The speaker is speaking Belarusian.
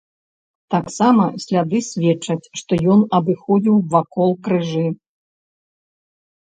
Таксама сляды сведчаць, што ён абыходзіў вакол крыжы.